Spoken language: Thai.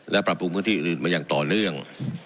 และปรับปรุงพื้นที่อื่นมาอย่างต่อเนื่อง